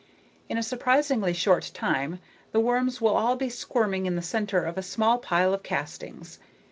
In a surprisingly short time, the worms will all be squirming in the center of a small pile of castings.